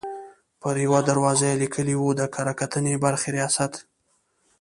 پر یوه دروازه یې لیکلي وو: د کره کتنې برخې ریاست.